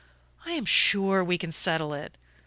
"I am sure we can settle it.